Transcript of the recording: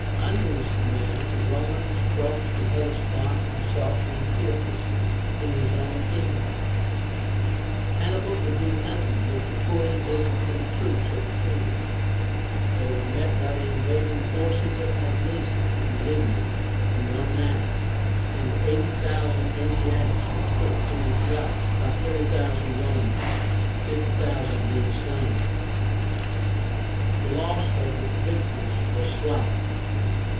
Under his command, the Romans crossed the Hellespont and sought Antiochus in his own kingdom. Hannibal could do nothing with the poorly disciplined troops of the king. They were met by the invading forces at MAGNESIA, in Lydia, in 190, and 80,000 Asiatics were put to rout by 30,000 Romans, 50,000 being slain. The loss of the victors was slight.